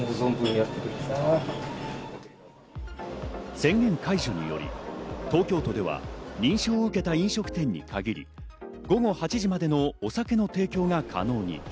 宣言解除により東京都では、認証を受けた飲食店に限り、午後８時までのお酒の提供が可能に。